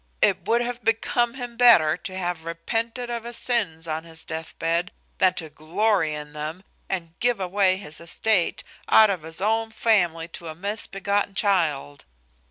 It would have become him better to have repented of his sins on his deathbed, than to glory in them, and give away his estate out of his own family to a misbegotten child.